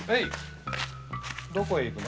どこへ行くの？